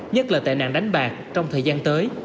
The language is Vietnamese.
nhất là tệ nạn đánh bạc trong thời gian tới